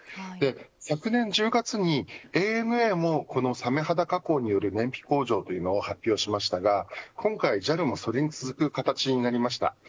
昨年１０月にＡＮＡもこのサメ肌加工による燃費向上というのを発表しましたが今回ＪＡＬもそれに続く形になりました。